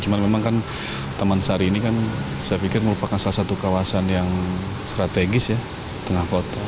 tapi memang taman sari ini merupakan salah satu kawasan yang strategis di tengah kota